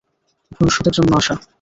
ভবিষ্যতের জন্য আশা!